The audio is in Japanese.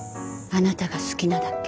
あなたが好きなだけ。